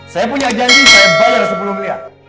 saya punya janji saya bayar sepuluh miliar